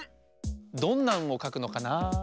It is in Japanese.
どんな「ん」をかくのかな？